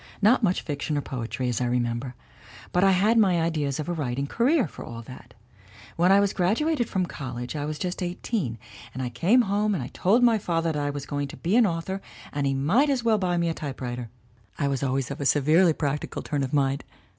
Not much fiction or poetry, as I remember. But I had my ideas of a writing career, for all that. When I was graduated from college I was just eighteen and I came home and told my father that I was going to be an author and he might as well buy me a typewriter I was always of a severely practical turn of mind.